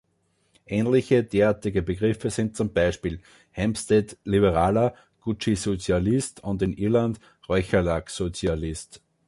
Ähnliche derartige Begriffe sind zum Beispiel „Hampstead-Liberaler“, „Gucci-Sozialist“ und (in Irland) „Räucherlachs-Sozialist“.